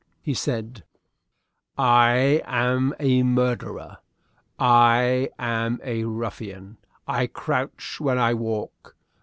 He said, "I am a murderer. I am a ruffian. I crouch when I walk.